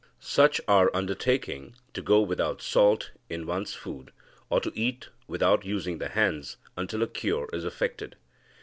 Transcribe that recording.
Such are undertaking to go without salt in one's food, or to eat without using the hands, until a cure is effected.